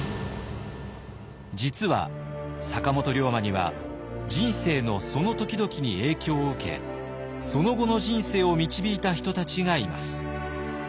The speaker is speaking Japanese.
実は坂本龍馬には人生のその時々に影響を受けその後の人生を導いた人たちがいます。